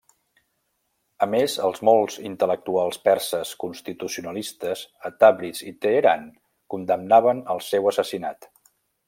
A més els molts intel·lectuals perses constitucionalistes a Tabriz i Teheran condemnaven el seu assassinat.